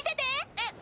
えっ？